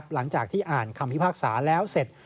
หลังจากที่อ่านคำพิพากษาแล้วเสร็จ